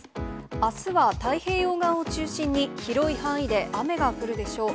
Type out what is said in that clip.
あすは太平洋側を中心に広い範囲で雨が降るでしょう。